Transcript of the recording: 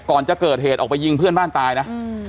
ก่อนจะเกิดเหตุออกไปยิงเพื่อนบ้านตายนะ